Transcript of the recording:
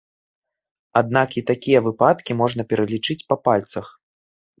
Аднак і такія выпадкі можна пералічыць на пальцах.